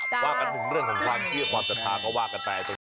ว่ากันถึงเรื่องของความเชื่อความศรัทธาก็ว่ากันไป